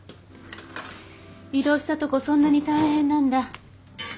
異動したとこそんなに大変なんだ？